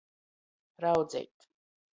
Raudzeit.